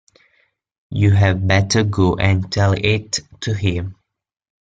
You had better go and tell it to him.